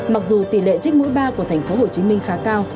mặc dù tỷ lệ trích mũi ba của tp hcm khá cao